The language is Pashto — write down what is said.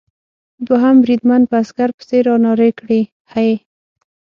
دوهم بریدمن په عسکر پسې را و نارې کړې: هې!